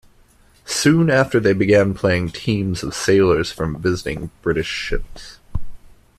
Soon after they began playing teams of sailors from visiting British ships.